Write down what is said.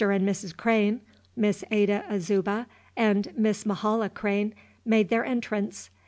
and Mrs. Crane, Miss Ada Azuba, and Miss Mahala Crane made their entrance.